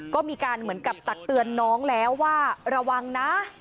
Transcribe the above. ก็มีการเหมือนกับตักเตือนน้องแล้วว่าระวังนะ